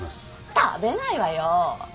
食べないわよ。